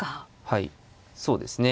はいそうですね。